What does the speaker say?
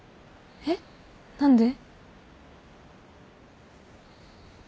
えっ何で？